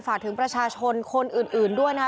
ฝากถึงประชาชนคนอื่นด้วยนะคะ